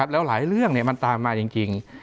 แล้วหลายเรื่องมันตามมาจริง